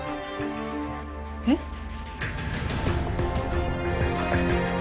えっ？